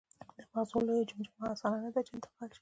د مغزو لویه جمجمه اسانه نهده، چې انتقال شي.